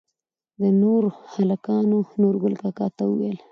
نوور هلکانو نورګل کاکا ته وويل